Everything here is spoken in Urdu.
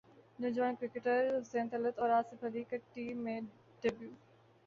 نوجوان کرکٹر حسین طلعت اور اصف علی کا ٹی میں ڈیبیو